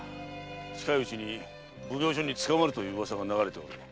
近いうちに奉行所に捕まるという噂が流れている。